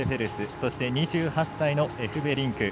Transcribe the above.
そして２８歳のエフベリンク。